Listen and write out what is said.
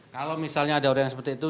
kalau misalnya ada orang yang seperti itu